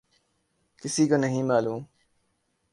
کسی کو نہیں معلوم۔